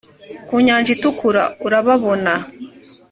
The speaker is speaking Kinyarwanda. kunyanja itukura urababona.